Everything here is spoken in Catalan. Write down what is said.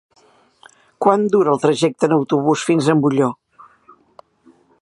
Quant dura el trajecte en autobús fins a Molló?